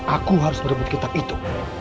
aku harus merebut kitab itu